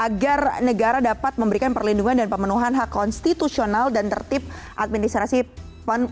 agar negara dapat memberikan perlindungan dan pemenuhan hak konstitusional dan tertib administrasi